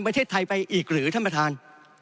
ประเทศไทยไปอีกหรือท่านประธาน